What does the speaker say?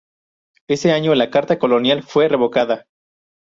Ese año, la carta colonial fue revocada.